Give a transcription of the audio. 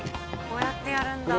こうやってやるんだ。